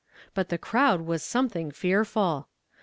But the crowd was something fearful